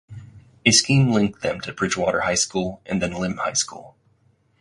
A scheme linked them to Bridgewater High School and then Lymm High School.